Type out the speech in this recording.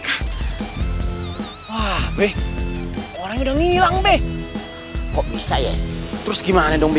buka beard di seluruh melly